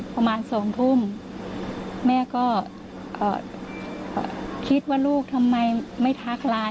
ประมาณ๒ทุ่มแม่ก็คิดว่าลูกทำไมไม่ทักไลน์